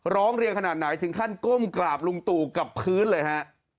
ร้องเรียนขนาดไหนถึงขั้นก้มกราบลุงตู่กับพื้นเลยฮะ